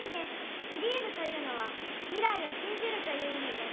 「ビリーブ」というのは「未来を信じる」という意味です。